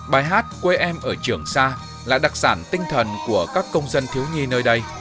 bài hát quê em ở trường sa là đặc sản tinh thần của các công dân thiếu nhi nơi đây